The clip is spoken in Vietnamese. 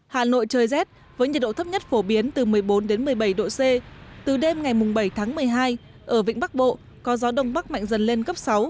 hà nội trời rét với nhiệt độ thấp nhất phổ biến từ một mươi bốn một mươi bảy độ c từ đêm ngày bảy tháng một mươi hai ở vĩnh bắc bộ có gió đông bắc mạnh dần lên cấp sáu